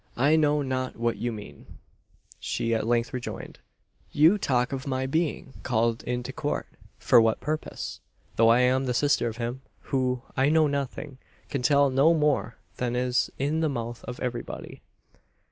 "I know not what you mean," she at length rejoined. "You talk of my being called into court. For what purpose? Though I am the sister of him, who I know nothing can tell no more than is in the mouth of everybody."